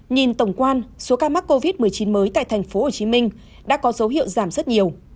nhìn tổng quan số ca mắc covid một mươi chín mới tại thành phố hồ chí minh đã có dấu hiệu giảm rất nhiều